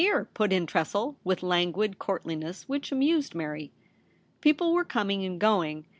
^e,' put In Tressel, with languid courtliness which amused Mary. People were coming and going.